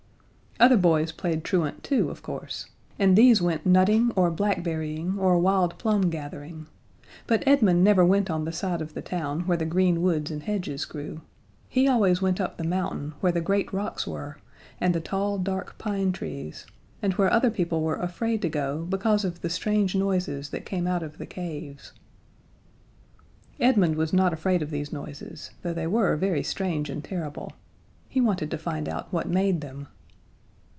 Other boys played truant too, of course and these went nutting or blackberrying or wild plum gathering, but Edmund never went on the side of the town where the green woods and hedges grew. He always went up the mountain where the great rocks were, and the tall, dark pine trees, and where other people were afraid to go because of the strange noises that came out of the caves. Edmund was not afraid of these noises though they were very strange and terrible. He wanted to find out what made them.